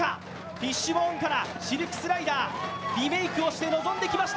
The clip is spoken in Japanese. フィッシュボーンからシルクスライダーリメークして臨んできました。